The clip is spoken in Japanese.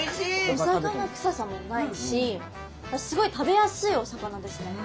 お魚臭さもないしすごい食べやすいお魚ですね。